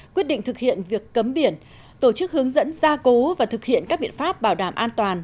quyết định thực hiện việc cấm biển tổ chức hướng dẫn gia cố và thực hiện các biện pháp bảo đảm an toàn